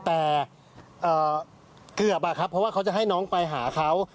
แต่เกือบอะครับเพราะว่าเขาจะให้น้องไปหาเขา